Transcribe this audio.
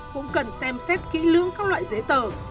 cũng cần xem xét kỹ lưỡng các loại giấy tờ